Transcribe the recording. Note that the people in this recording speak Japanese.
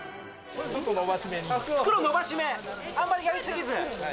袋伸ばし目、あんまりやりすぎず。